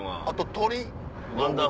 あと鳥。